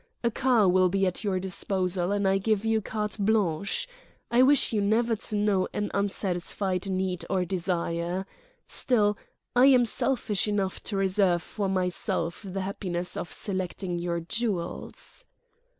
A car will be at your disposal, and I give you carte blanche. I wish you never to know an unsatisfied need or desire. Still, I am selfish enough to reserve for myself the happiness of selecting your jewels."